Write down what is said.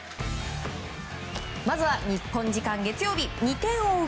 まずは日本時間月曜日２点を追う